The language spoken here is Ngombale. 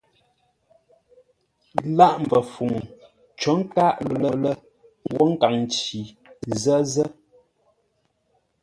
Lâʼ mbəfuŋ cǒ nkâʼ LÔŊLƏ wə́ nkaŋ nci Zʉ́zə́.